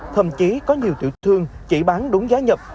thậm chí có nhiều tiểu thương chỉ bán đúng giá nhập